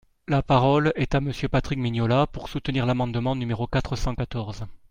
La parole est à Monsieur Patrick Mignola, pour soutenir l’amendement numéro quatre cent quatorze.